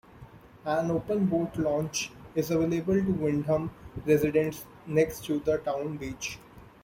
An open boat launch is available to Windham residents next to the town beach.